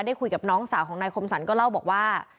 ได้คุยกับน้องสาวของนายคมสรรก็เล่าบอกว่า